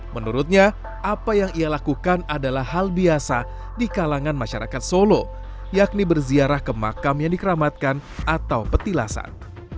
menurutnya apa yang ia lakukan adalah hal biasa di kalangan masyarakat solo yakni berziarah ke makam yang dikeramatkan atau petilasan